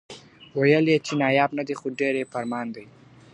وئېل ئې چې ناياب نۀ دی خو ډېر ئې پۀ ارمان دي .